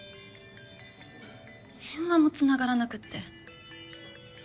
電話もつながらなくって。